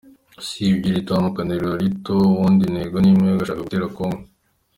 Usibye iri tandukaniro rito ubundi intego n’imwe: ugushaka gutera Congo.